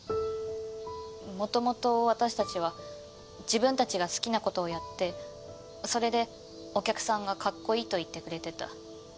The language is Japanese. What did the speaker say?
もともと私たちは自分たちが好きなことをやってそれでお客さんがカッコイイと言ってくれてた。